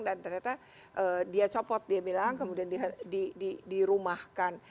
dan ternyata dia copot dia bilang kemudian dirumahkan